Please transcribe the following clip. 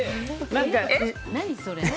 何それ？